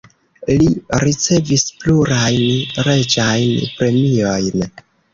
Li ricevis plurajn reĝajn premiojn.